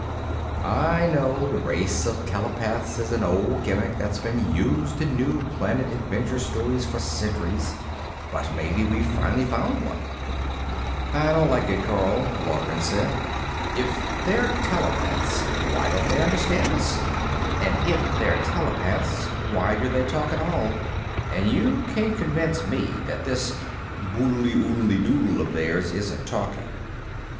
"I know, the race of telepaths is an old gimmick that's been used in new planet adventure stories for centuries, but maybe we've finally found one." "I don't like it, Karl," Loughran said. "If they're telepaths, why don't they understand us? And if they're telepaths, why do they talk at all? And you can't convince me that this boodly oodly doodle of theirs isn't talking."